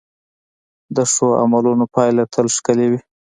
د ښو عملونو پایله تل ښکلې وي.